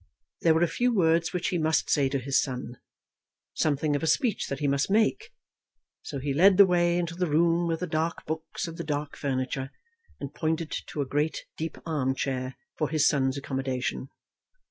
There were a few words which he must say to his son, something of a speech that he must make; so he led the way into the room with the dark books and the dark furniture, and pointed to a great deep arm chair for his son's accommodation.